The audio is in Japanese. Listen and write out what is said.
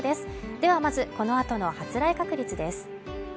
ではまず、この後の発雷確率です。